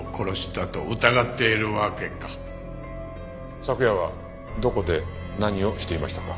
昨夜はどこで何をしていましたか？